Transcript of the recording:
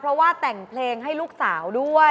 เพราะว่าแต่งเพลงให้ลูกสาวด้วย